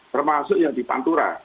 termasuk yang di pantura